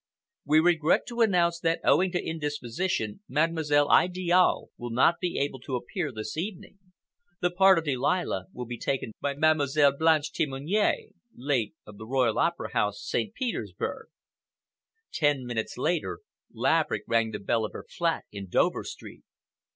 We regret to announce that owing to indisposition Mademoiselle Idiale will not be able to appear this evening. The part of Delilah will be taken by Mademoiselle Blanche Temoigne, late of the Royal Opera House, St. Petersburg. Ten minutes later, Laverick rang the bell of her flat in Dover Street.